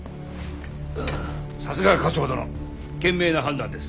さすが課長殿賢明な判断です。